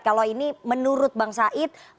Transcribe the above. kalau ini menurut bang said